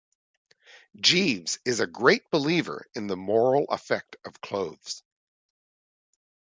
Jeeves is a great believer in the moral effect of clothes.